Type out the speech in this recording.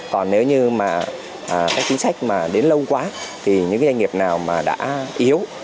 còn nếu như chính sách đến lâu quá thì những doanh nghiệp nào đã yếu